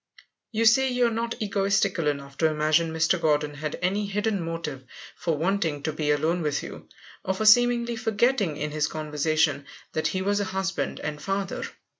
You say you are not egotistical enough to imagine Mr. Gordon had any hidden motive for wanting to be alone with you, or for seemingly forgetting in his conversation that he was a husband and father.